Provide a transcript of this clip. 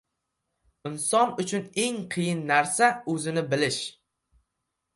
• Inson uchun eng qiyin narsa — o‘zini bilish.